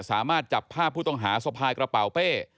สามารถจับภาพผู้ต้องหาสะพายกระเป๋าเป้